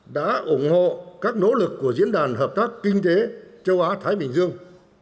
đã ủng hộ các nỗ lực của diễn đàn hợp tác kinh tế châu á thái bình dương